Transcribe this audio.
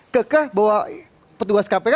kekeh bahwa petugas kpk